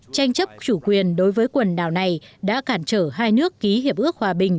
tranh chấp chủ quyền đối với quần đảo này đã cản trở hai nước ký hiệp ước hòa bình